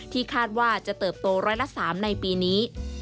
คาดว่าจะเติบโตร้อยละ๓ในปีนี้